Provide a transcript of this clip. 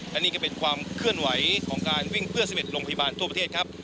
และนี่ก็เป็นความเคลื่อนไหวของการวิ่งเพื่อ๑๑โรงพยาบาลทั่วประเทศครับ